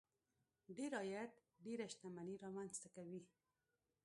ډېر عاید ډېره شتمني رامنځته کوي.